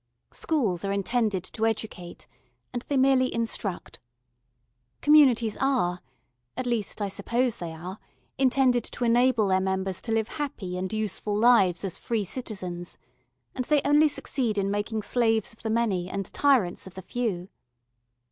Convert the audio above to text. Schools are intended to educate, and they merely instruct. Communities are, at least I suppose they are, intended to enable their members to live happy and useful lives as free citizens, and they only succeed in making slaves of the many and tyrants of the few.